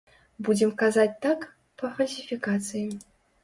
Будзем казаць так, па фальсіфікацыі.